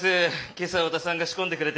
今朝太田さんが仕込んでくれて。